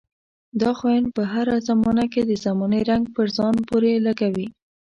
دا خاين پر هره زمانه کې د زمانې رنګ په ځان پورې لګوي.